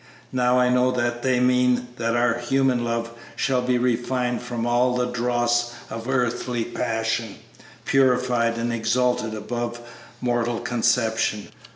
Now I know that they mean that our human love shall be refined from all the dross of earthly passion, purified and exalted above mortal conception.